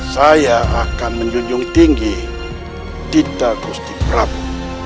saya akan menjunjung tinggi di tagus di prabu